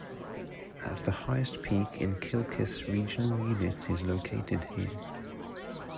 At the highest peak in Kilkis regional unit is located here.